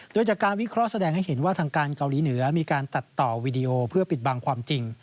โดยจากการวิเคราะห์แสดงให้เห็นว่าทางการเกาหลีเหนือมีการตัดต่อวีดีโอเพื่อปิดบังความจริง